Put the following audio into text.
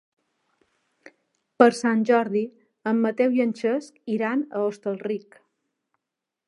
Per Sant Jordi en Mateu i en Cesc iran a Hostalric.